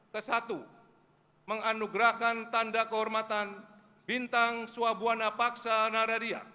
kesatu menganugerahkan tanda kehormatan bintang swabuana paksa nararia